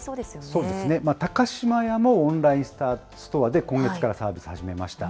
そうですね、高島屋もオンラインストアで今月からサービス始めました。